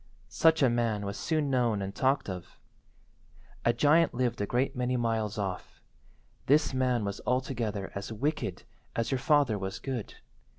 Such a man was soon known and talked of. A giant lived a great many miles off. This man was altogether as wicked as your father was good.